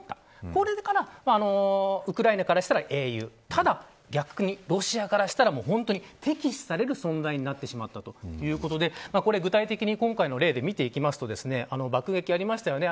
これからウクライナからしたら英雄ただ逆に、ロシアからしたら本当に敵視される存在になってしまったということで具体的に今回の例で見ていくと爆撃がありましたよね。